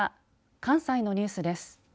関西のニュースです。